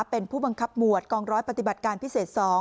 เป็นผู้บังคับหมวดกองร้อยปฏิบัติการพิเศษ๒